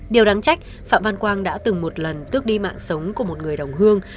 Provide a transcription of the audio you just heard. điều đáng trách phạm văn quang đã từng một lần tước đi mạng sống của một người đồng hương